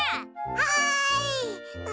はい！